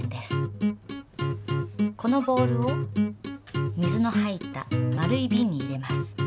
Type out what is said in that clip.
このボールを水の入った丸いビンに入れます。